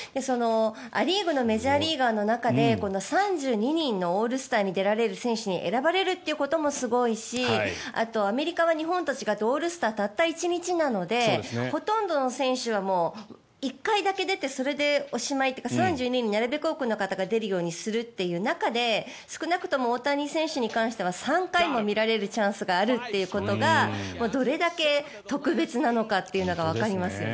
ア・リーグのメジャーリーガーの中で３２人のオールスターに出られる選手に選ばれるということもすごいしアメリカは日本と違ってオールスター、たった１日なのでほとんどの選手は１回だけ出てそれでおしまいというか３２人、なるべく多くの方が出るようにする中で少なくとも大谷選手に関しては３回も見られるチャンスがあるということがどれだけ特別なのかというのがわかりますよね。